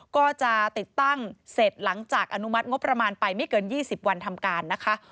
ก็จะติดตั้งเสร็จหลังจากอนุมัติงบประมาณไปไม่เกิน๒๐วันทำการนะคะ